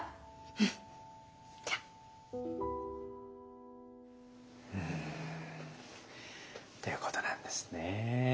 じゃっ。ということなんですね。